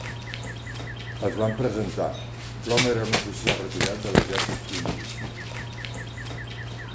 Els van presentar, l'home era un oficial retirat de l'exèrcit indi.